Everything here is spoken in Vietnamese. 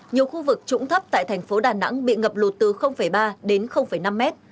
nhiều khu vực trũng thấp tại thành phố đà nẵng bị ngập lụt từ ba đến năm mét